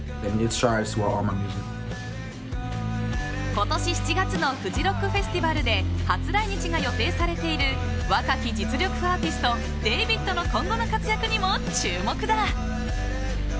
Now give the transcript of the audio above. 今年７月のフジロックフェスティバルで初来日が予定されている若き実力派アーティストｄ４ｖｄの今後の活躍にも注目だ。